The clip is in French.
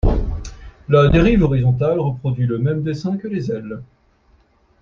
La dérive horizontale reproduit le même dessin que les ailes.